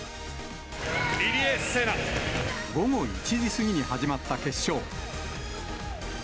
午後１時過ぎに始まった決勝。